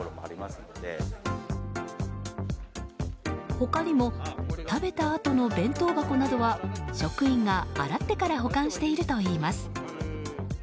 他にも食べたあとの弁当箱などは職員が洗ってから保管しているといいます。